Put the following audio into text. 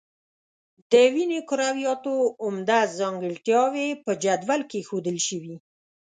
د وینې کرویاتو عمده ځانګړتیاوې په جدول کې ښودل شوي.